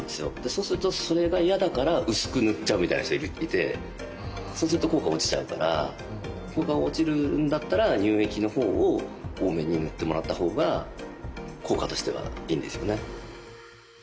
そうするとそれが嫌だから薄く塗っちゃうみたいな人いてそうすると効果落ちちゃうから効果が落ちるんだったら乳液の方を多めに塗ってもらった方が効果としてはいいんですよね。